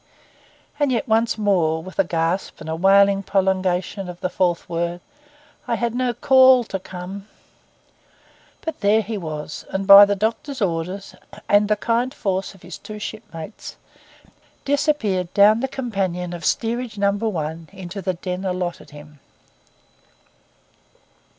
And yet once more, with a gasp and a wailing prolongation of the fourth word: 'I had no call to come.' But there he was; and by the doctor's orders and the kind force of his two shipmates disappeared down the companion of Steerage No. 1 into the den allotted him.